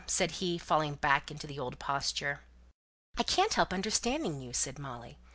said he, falling back into the old posture. "I can't help understanding you," said Molly.